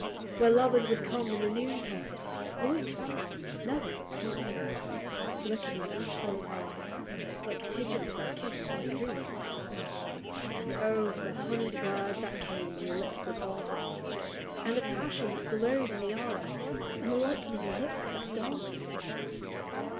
" Where lovers would come in the noontide, loiter ing — never but two, Looking in each other's eyes, like pigeons that kiss and coo. " And O, the honeyed words that came when the lips were parted, And the passion that glowed in the eyes, and the lightning looks that darted